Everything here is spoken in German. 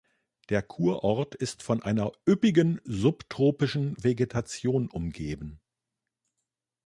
Der Kurort ist von einer üppigen subtropischen Vegetation umgeben.